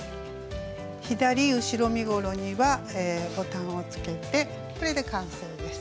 左後ろ身ごろにはボタンをつけてこれで完成です。